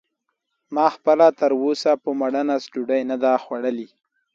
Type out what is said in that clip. ما خپله تراوسه په ماړه نس ډوډۍ نه ده خوړلې.